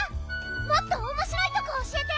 もっとおもしろいとこおしえて！